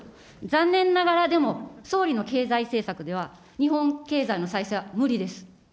残念ながら総理の経済政策では、日本経済の再生は無理です。